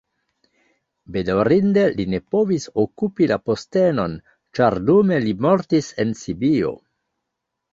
Bedaŭrinde li ne povis okupi la postenon, ĉar dume li mortis en Sibio.